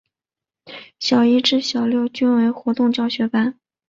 小一至小六均为活动教学班。